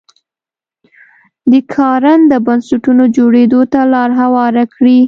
د کارنده بنسټونو جوړېدو ته لار هواره کړي.